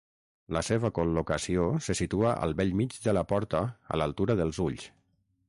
La seva col·locació se situa al bell mig de la porta a l'altura dels ulls.